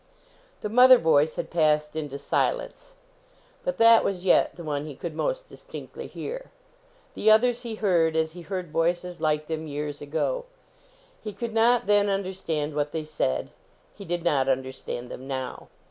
The mother voice had passed into silence. But that was yet the one he could most dis tinctly hear. The others he heard, as he heard voices like them years ago. He could 124 OMEGA not then understand what they said ; he did not understand them now.